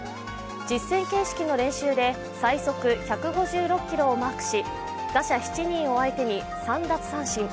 実戦形式の練習で最速１５６キロをマークし、打者７人を相手に３奪三振。